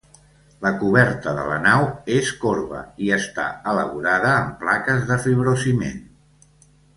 La coberta de la nau és corba i està elaborada amb plaques de fibrociment.